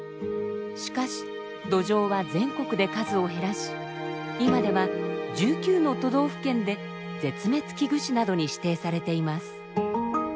しかしドジョウは全国で数を減らし今では１９の都道府県で絶滅危惧種などに指定されています。